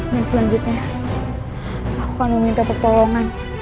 dan selanjutnya aku akan meminta pertolongan